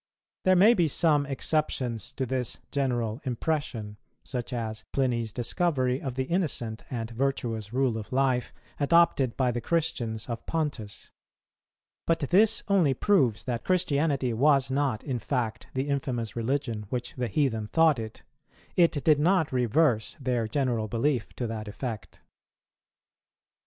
There may be some exceptions to this general impression, such as Pliny's discovery of the innocent and virtuous rule of life adopted by the Christians of Pontus; but this only proves that Christianity was not in fact the infamous religion which the heathen thought it; it did not reverse their general belief to that effect.